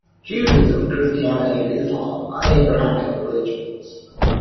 Judaism, Christianity and Islam are Abrahamic religions.